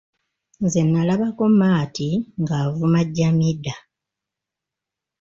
Nze nnalabako Maati ng’avuma Jamidah.